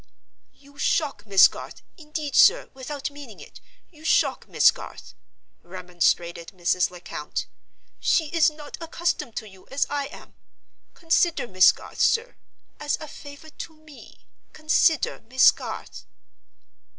"You shock Miss Garth; indeed, sir, without meaning it, you shock Miss Garth," remonstrated Mrs. Lecount. "She is not accustomed to you as I am. Consider Miss Garth, sir. As a favor to me, consider Miss Garth."